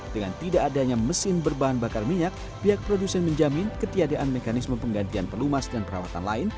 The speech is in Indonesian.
dengan tidak adanya mesin berbahan bakar minyak pihak produsen menjamin ketiadaan mekanisme penggantian pelumas dan perawatan lain